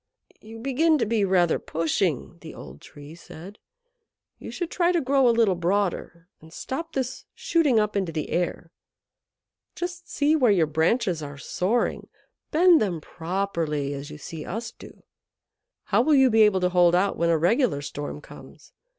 "You begin to be rather pushing," the Old Tree said. "You should try to grow a little broader, and stop this shooting up into the air. Just see where your branches are soaring. Bend them properly, as you see us do. How will you be able to hold out when a regular storm comes?